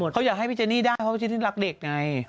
เขาอยากให้พี่เจนี่ได้เพราะพี่เจนี่รักเด็กไง